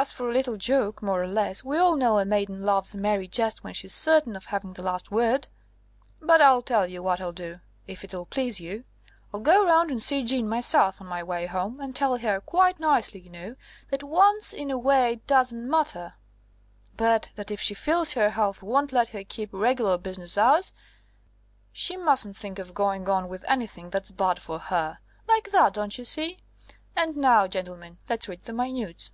As for a little joke, more or less, we all know a maiden loves a merry jest when she's certain of having the last word! But I'll tell you what I'll do, if it'll please you; I'll go round and see Jeanne myself on my way home, and tell her quite nicely, you know that once in a way doesn't matter; but that if she feels her health won't let her keep regular business hours, she mustn't think of going on with anything that's bad for her. Like that, don't you see? And now, gentlemen, let's read the minutes!"